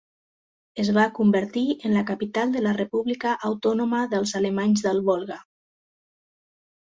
Es va convertir en la capital de la República Autònoma dels Alemanys del Volga.